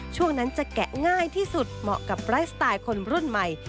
ช่วงนั้นจะแกะง่ายที่สุดเหมาะกับไลฟ์สไตล์คนรุ่นใหม่